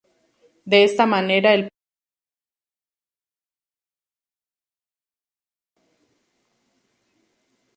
De esta manera el pueblo es prácticamente tomado sin hacer un solo disparo.